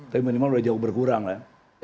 tapi minimal sudah jauh berkurang lah